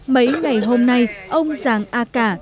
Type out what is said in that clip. mấy ngày hôm nay ông giảng ân